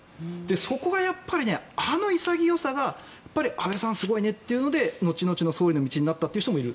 そこはやっぱり、あの潔さが安倍さんすごいねというので後々の総理の道になったという人もいる。